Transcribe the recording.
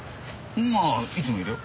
まあいつもいるよ。